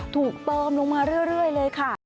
เติมลงมาเรื่อยเลยค่ะ